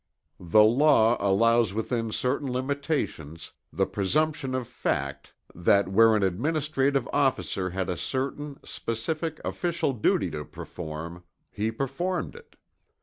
The law allows within certain limitations, the presumption of fact that where an administrative officer had a certain, specific official duty to perform, he performed it.